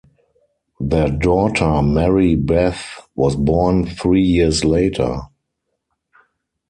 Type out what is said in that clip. Their daughter, Mary Beth, was born three years later.